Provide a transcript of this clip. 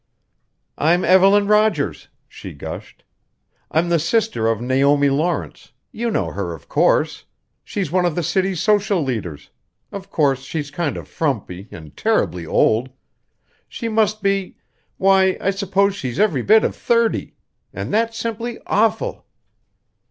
"I'm Evelyn Rogers," she gushed. "I'm the sister of Naomi Lawrence you know her, of course. She's one of the city's social leaders. Of course, she's kind of frumpy and terribly old. She must be why, I suppose she's every bit of thirty! And that's simply _awful!"